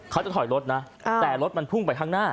เขาจะถอยรถนะแต่รถมันพุ่งไปข้างหน้า